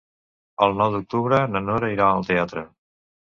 El nou d'octubre na Nora irà al teatre.